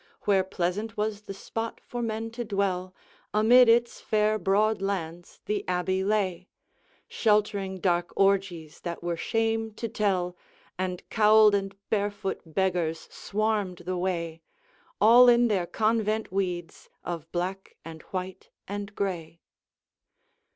Where pleasant was the spot for men to dwell, Amid its fair broad lands the abbey lay, Sheltering dark orgies that were shame to tell, And cowled and barefoot beggars swarmed the way, All in their convent weeds, of black, and white, and gray.